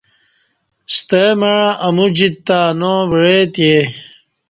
ستہ مع امو جیت تہ انو وعے تے